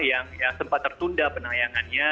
yang sempat tertunda penayangannya